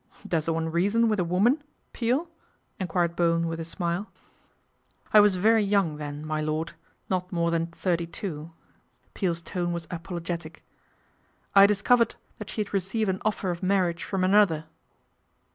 " Does one reason with a womaix. Peel ?" enquired Bowen with a smile. 284 PATRICIA BRENT, SPINSTER " I was very young then, my lord, not more than thirty two." Peel's tone was apologetic. " I discovered that she had received an offer of marriage from another."